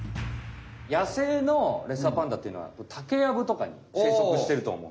やせいのレッサーパンダっていうのはタケやぶとかにせいそくしてるとおもう。